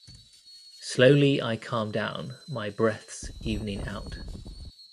Slowly, I calm down, my breathes evening out.